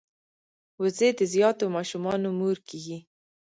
وزې د زیاتو ماشومانو مور کیږي